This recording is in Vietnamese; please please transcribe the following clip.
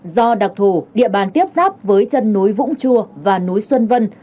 do đặc thù địa bàn tiếp giáp với chân núi vũng chua và núi xuân vân